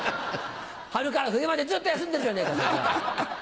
春から冬までずっと休んでるじゃねえかそれじゃあ。